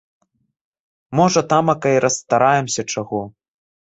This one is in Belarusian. Можа тамака й расстараемся чаго.